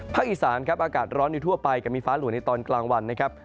อีสานครับอากาศร้อนอยู่ทั่วไปกับมีฟ้าหลวงในตอนกลางวันนะครับ